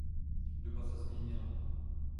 Doba se změnila.